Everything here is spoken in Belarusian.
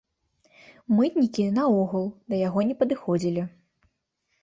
Мытнікі наогул да яго не падыходзілі.